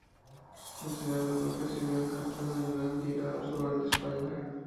Continuó en Cuenca Ciudad Encantada, en la Liga Asobal de España.